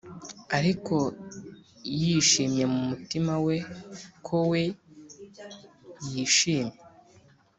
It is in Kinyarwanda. ariko yishimye mu mutima we ko we yishimye